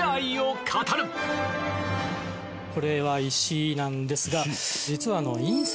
これは石なんですが実は隕石。